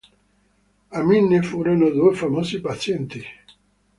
A. Milne furono due famosi pazienti.